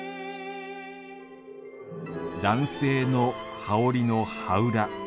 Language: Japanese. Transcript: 男性の羽織の羽裏。